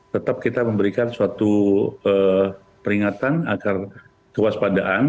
tetap kita memberikan suatu peringatan agar kewaspadaan